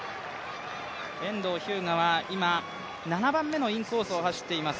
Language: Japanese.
遠藤日向は今、７番目のインコースを走っています。